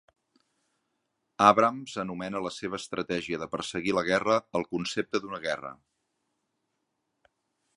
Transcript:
Abrams anomena la seva estratègia de perseguir la guerra "el concepte d'una guerra".